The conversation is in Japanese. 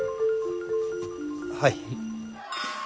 はい。